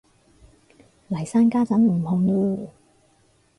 嚟生家陣唔紅嚕